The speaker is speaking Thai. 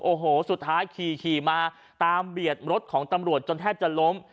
โอ้โหสุดท้ายขี่มาตามเบียดรถของตำรวจจนแทบจะล้ม